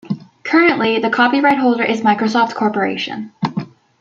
Currently, the copyright holder is Microsoft Corporation.